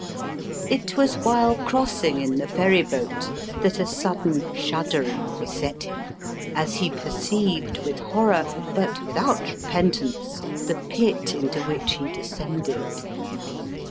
It was while crossing in the ferryboat that a sudden shuddering beset him: as he perceived with horror but without repentance the pit into which he descended.